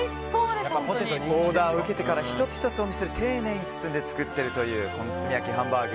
オーダーを受けてから１つ１つ、お店で丁寧に包んで作っているというこの包み焼きハンバーグ